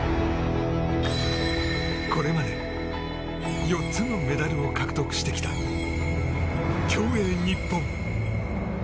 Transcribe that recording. これまで４つのメダルを獲得してきた競泳日本。